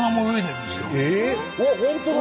うわっ本当だ。